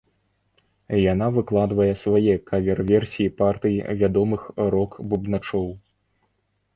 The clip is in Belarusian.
Яна выкладвае свае кавер-версіі партый вядомых рок-бубначоў.